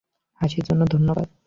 হাসির জন্য ধন্যবাদ।